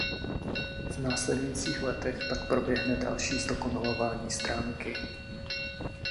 V následujících letech pak proběhne další zdokonalování stránky.